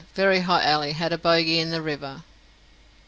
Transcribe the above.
Very hot alle had a boagy in the river.